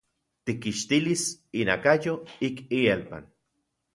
Tikkixtilis inakayo ik ielpan.